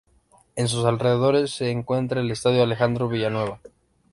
En sus alrededores se encuentra el Estadio Alejandro Villanueva.